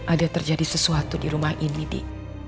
ada terjadi sesuatu di rumah ini di